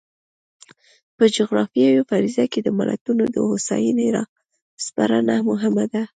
په جغرافیوي فرضیه کې د ملتونو د هوساینې را سپړنه مهمه ده.